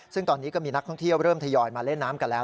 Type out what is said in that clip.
ซึ่งตอนนี้ก็มีนักท่องเที่ยวเริ่มทยอยมาเล่นน้ำกันแล้ว